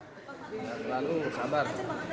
tidak terlalu sabar